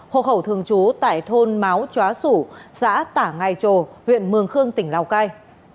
hộ khẩu thường trú tại thôn máo chóa sủ xã tả ngài trồ huyện mường khương tỉnh lào cai